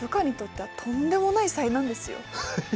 はい。